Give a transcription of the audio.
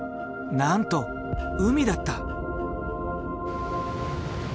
なんと海だった。